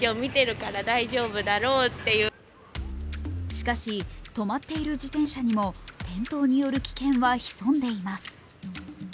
しかし止まっている自転車にも転倒による危険は潜んでいます。